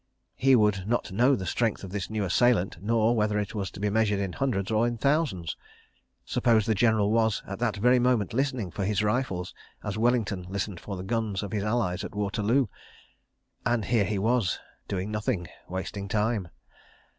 He would not know the strength of this new assailant, nor whether it was to be measured in hundreds or in thousands. Suppose the General was, at that very moment, listening for his rifles, as Wellington listened for the guns of his allies at Waterloo! And here he was, doing nothing—wasting time.